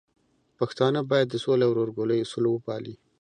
پښتانه بايد د سولې او ورورګلوي اصول وپالي.